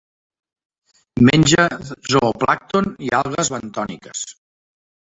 Menja zooplàncton i algues bentòniques.